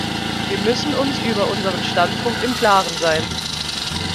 Wir müssen uns über unseren Standpunkt im Klaren sein.